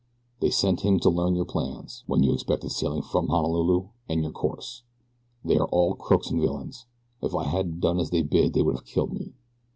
They sent him to learn your plans; when you expected sailing from Honolulu and your course. They are all crooks and villains. If I hadn't done as they bid they would have killed me."